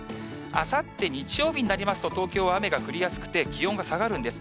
あさって日曜日になりますと、東京は雨が降りやすくて、気温が下がるんです。